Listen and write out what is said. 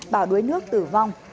bảo đuối nước tử vong